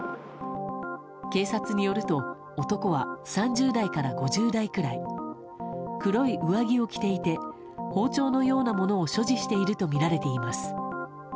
警察によると男は３０代から５０代くらい黒い上着を着ていて包丁のようなものを所持しているとみられています。